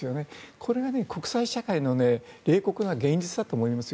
これが国際社会の冷酷な現実だと思いますよ。